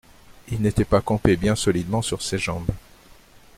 Il n'était pas campé bien solidement sur ses jambes.